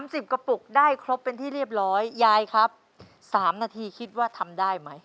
สิบกระปุกได้ครบเป็นที่เรียบร้อยยายครับสามนาทีคิดว่าทำได้ไหม